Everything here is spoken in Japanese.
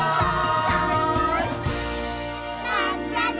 まったね！